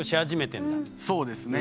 そうですね。